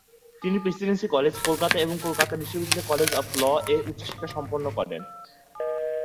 তিনি Presidency College, Kolkata এবং কলকাতা বিশ্ববিদ্যালয়ের কলেজ অফ ল-এ উচ্চশিক্ষা সম্পূর্ণ করেন।